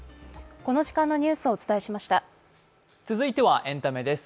続いてはエンタメです。